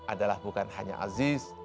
adalah bukan hanya aziz